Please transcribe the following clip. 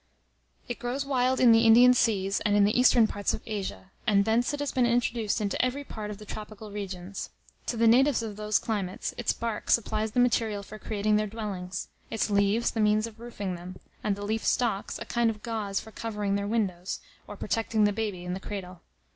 It grows wild in the Indian seas, and in the eastern parts of Asia; and thence it has been introduced into every part of the tropical regions. To the natives of those climates, its bark supplies the material for creating their dwellings; its leaves, the means of roofing them; and the leaf stalks, a kind of gauze for covering their windows, or protecting the baby in the cradle.